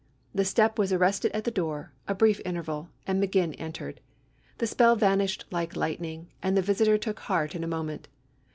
The step was arrested at the door, a brief interval, and Maginn entered. The spell vanished like lightning, and the visitor took heart in a moment.